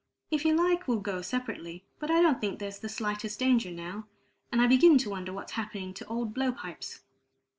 If you like we'll go separately, but I don't think there's the slightest danger now, and I begin to wonder what's happening to old blow pipes."